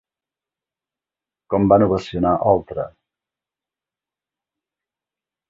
Com van ovacionar Oltra?